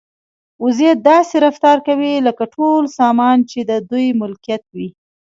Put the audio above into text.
وزې داسې رفتار کوي لکه ټول سامان چې د دوی ملکیت وي.